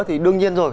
thì đương nhiên rồi